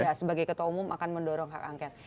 tidak sebagai ketua umum akan mendorong hak angket